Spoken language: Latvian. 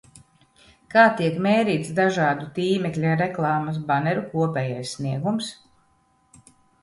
Kā tiek mērīts dažādu tīmekļa reklāmas baneru kopējais sniegums?